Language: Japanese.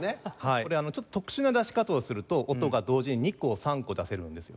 これちょっと特殊な出し方をすると音が同時に２個３個出せるんですよ。